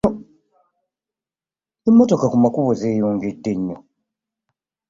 Emmotoka ku makubo zeeyongedde nnyo.